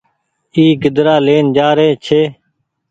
اي گيدرآ لين جآ رئي ڇي۔